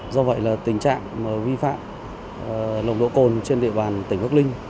do vậy là tình trạng vi phạm nồng độ cồn trên địa bàn tỉnh quốc linh